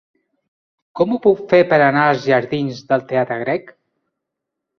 Com ho puc fer per anar als jardins del Teatre Grec?